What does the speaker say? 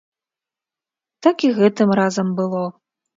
Так і гэтым разам было.